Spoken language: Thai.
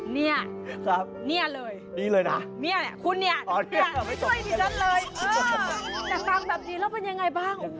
เนี่ยนี่เลยดีเลยนะเนี่ยคุณเนี่ยไม่ช่วยดิฉันเลยแต่ทำแบบนี้แล้วเป็นยังไงบ้าง